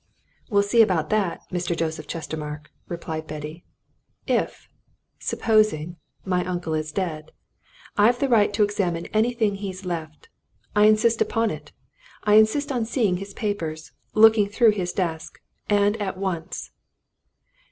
"We'll see about that, Mr. Joseph Chestermarke!" replied Betty. "If supposing my uncle is dead, I've the right to examine anything he's left. I insist upon it! I insist on seeing his papers, looking through his desk. And at once!"